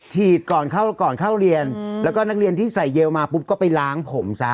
ก่อนเข้าก่อนเข้าเรียนแล้วก็นักเรียนที่ใส่เยลมาปุ๊บก็ไปล้างผมซะ